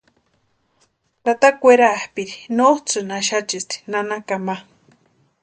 Tata kwerapʼiri nótsʼïni axachisti nanakani ma.